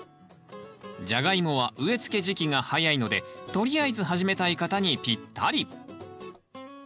ジャガイモは植えつけ時期が早いのでとりあえず始めたい方にぴったり。